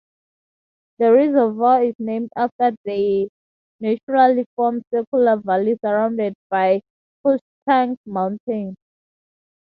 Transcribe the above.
The reservoir is named after the naturally formed circular valley surrounded by Cushetunk Mountain.